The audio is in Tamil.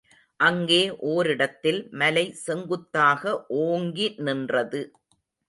அங்கே ஓரிடத்தில் மலை செங்குத்தாக ஓங்கி நின்றது.